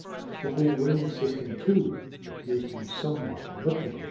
The whole ring system, too, appears to be somewhat elliptical.